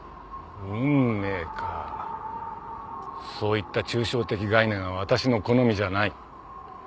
そういった抽象的概念はわたしの好みじゃない。